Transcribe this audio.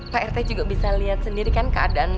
pak rt juga bisa lihat sendiri kan keadaan